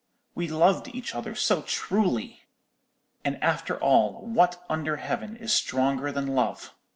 We loved each other so truly! And after all, what under heaven is stronger than love?